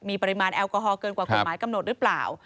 มีปริมาณแอลกอฮอลเกินกว่ากฎหมายกำหนดหรือเปล่า